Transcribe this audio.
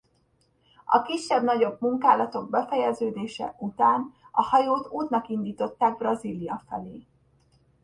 A kisebb-nagyobb munkálatok befejeződése után a hajót útnak indították Brazília felé.